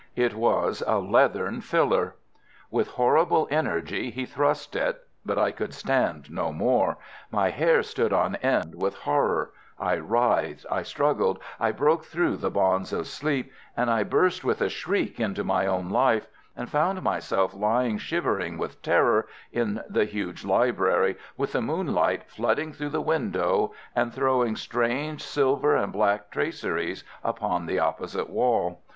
It was a leathern filler. With horrible energy he thrust it—but I could stand no more. My hair stood on end with horror. I writhed, I struggled, I broke through the bonds of sleep, and I burst with a shriek into my own life, and found myself lying shivering with terror in the huge library, with the moonlight flooding through the window and throwing strange silver and black traceries upon the opposite wall.